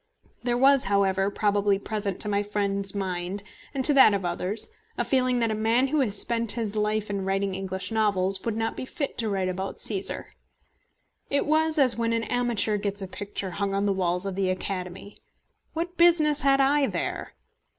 There was, however, probably present to my friend's mind, and to that of others, a feeling that a man who had spent his life in writing English novels could not be fit to write about Cæsar. It was as when an amateur gets a picture hung on the walls of the Academy. What business had I there?